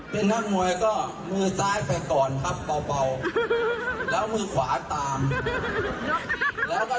คิดสิ่งใดขอสมความมูลมากปราธนา